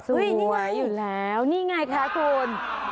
สวยอยู่แล้วนี่ไงคะคุณ